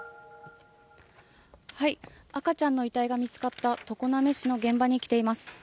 赤ちゃんの遺体が見つかった、常滑市の現場に来ています。